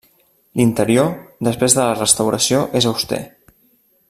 L'interior, després de la restauració, és auster.